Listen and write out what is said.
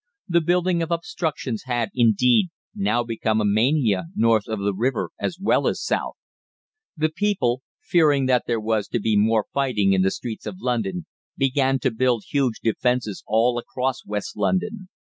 The building of obstructions had, indeed, now become a mania north of the river as well as south. The people, fearing that there was to be more fighting in the streets of London, began to build huge defences all across West London.